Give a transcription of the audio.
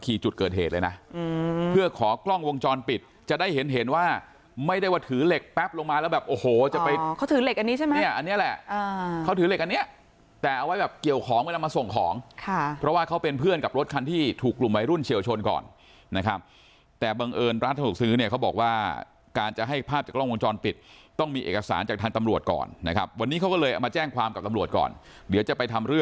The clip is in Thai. เมื่อกี้จุดเกิดเหตุเลยนะเพื่อขอกล้องวงจรปิดจะได้เห็นเห็นว่าไม่ได้ว่าถือเหล็กแป๊บลงมาแล้วแบบโอ้โหจะไปเขาถือเหล็กอันนี้ใช่ไหมเนี่ยอันเนี้ยแหละอ่าเขาถือเหล็กอันเนี้ยแต่เอาไว้แบบเกี่ยวของกันเอามาส่งของค่ะเพราะว่าเขาเป็นเพื่อนกับรถคันที่ถูกกลุ่มไว้รุ่นเชี่ยวชนก่อนนะครับแต่บังเอิญร